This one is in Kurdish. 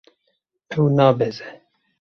Ew nabeze.